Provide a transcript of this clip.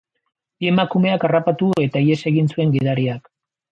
Bi emakumeak harrapatu eta ihes egin zuen gidariak.